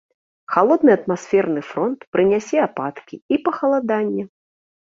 Халодны атмасферны фронт прынясе ападкі і пахаладанне.